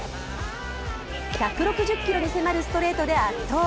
１６０キロに迫るストレートで圧倒。